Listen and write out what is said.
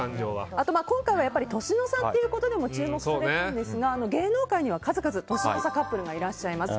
あと、今回は年の差ということでも注目されるんですが芸能界には数々年の差カップルがいらっしゃいます。